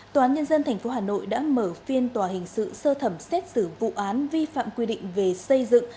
tòa án nhân dân tp hà nội đã mở phiên tòa hình sự sơ thẩm xét xử vụ án vi phạm quy định về xây dựng